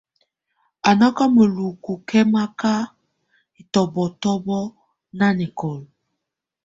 Á nà ka mǝ́lukù kɛ̀maka ɛtɔbɔtɔbɔ nanɛkɔla.